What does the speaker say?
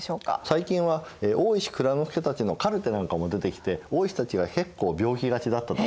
最近は大石内蔵助たちのカルテなんかも出てきて大石たちが結構病気がちだったとかね